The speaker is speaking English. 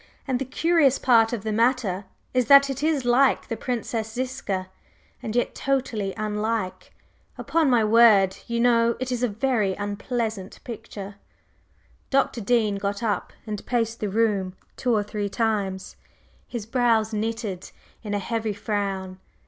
And the curious part of the matter is that it is like the Princess Ziska, and yet totally unlike. Upon my word, you know, it is a very unpleasant picture." Dr. Dean got up and paced the room two or three times, his brows knitted in a heavy frown.